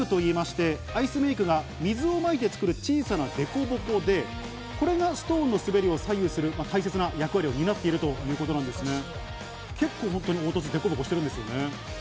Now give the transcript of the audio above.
これはペブルと言いまして、アイスメイクが水をまいて作る小さな凸凹でこれがストーンの滑りを左右する、大切な役割を担っているということなんです。